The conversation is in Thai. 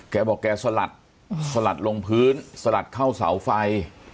แกบอกแกสลัดสลัดลงพื้นสลัดเข้าเสาไฟ